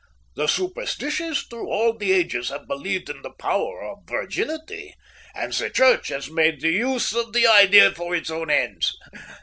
The superstitious through all the ages have believed in the power of virginity, and the Church has made use of the idea for its own ends.